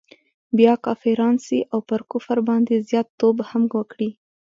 بیا کافران سي او پر کفر باندي زیات توب هم وکړي.